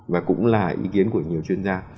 và cũng là ý kiến của nhiều chuyên gia